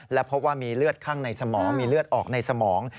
และพบว่ามีเลือดข้างในสมองมีเลือดออกในสมอง